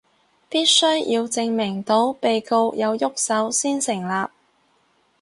必須要證明到被告有郁手先成立